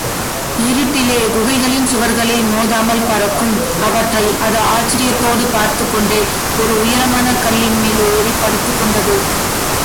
இருட்டிலே குகைகளின் சுவர்களில் மோதாமல் பறக்கும் அவற்றை அது ஆச்சரியத்தோடு பார்த்துக்கொண்டே ஒரு உயரமான கல்லின்மேல் ஏறிப் படுத்துக்கொண்டது.